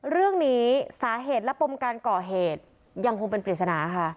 เรื่องนี้สาเหตุและพรุ่งการก่อเหตุยังคงเป็นพิจารณาค่ะ